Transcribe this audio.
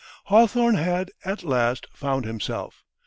Hawthorne had, at last, "found himself."